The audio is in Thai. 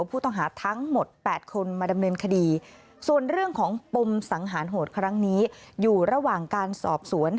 ปมสังหารโหดครั้งนี้อยู่ระหว่างการสอบสวน